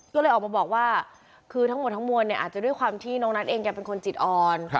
ก็เลยออกมาบอกว่าคือทั้งหมดทั้งมวลเนี่ยอาจจะด้วยความที่น้องนัทเองแกเป็นคนจิตอ่อน